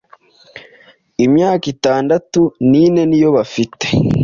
imyaka itandatu n'ine niyo bafite